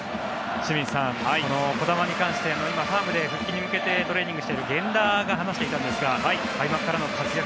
清水さん、児玉に関して今、ファームで復帰に向けてトレーニングしている源田が話していたんですが開幕からの活躍